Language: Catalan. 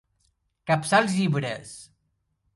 Capçar els llibres.